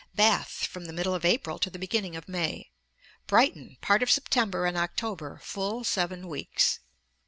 Bath, from the middle of April to the beginning of May. Ante, iii. 44, 51. Brighton, part of September and October; full seven weeks.